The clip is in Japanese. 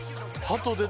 ハト。